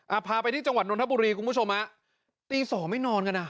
พาไปที่จังหวัดนทบุรีคุณผู้ชมฮะตีสองไม่นอนกันอ่ะ